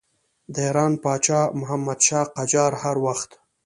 د ایران پاچا محمدشاه قاجار هر وخت.